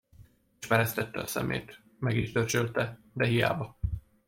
És meresztette a szemét, meg is dörzsölte, de hiába.